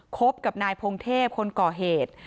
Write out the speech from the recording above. คบกับนายพงเทพคนก่อเหตุ